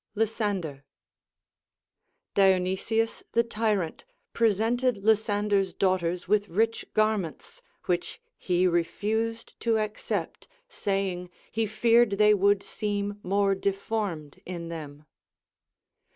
Lysander. Dionysius the Tyrant presented Lysander's daughters with rich garments, which he refused to accept, saying he feared they would seem more deformed in them.